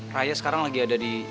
raya sekarang lagi ada di